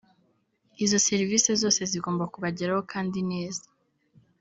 izo serivisi zose zigomba kubageraho kandi neza